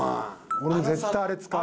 俺も絶対あれ使う。